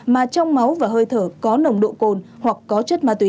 mà trong máu và hơi thở có nồng độ cồn hoặc có chất ma túy